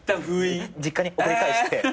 実家に送り返して。